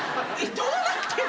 どうなってるの？